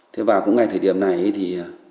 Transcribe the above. thế và cũng ngày thời điểm này thì